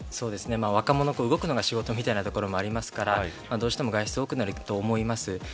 若者は動くのが仕事みたいなところもありますからどうしても外出が多くなると思います。